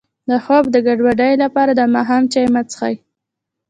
د خوب د ګډوډۍ لپاره د ماښام چای مه څښئ